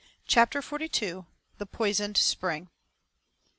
CHAPTER FORTY TWO. THE POISONED SPRING.